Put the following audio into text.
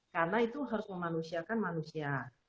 karena itu harus memanusiakan manusia